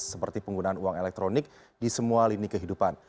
seperti penggunaan uang elektronik di semua lini kehidupan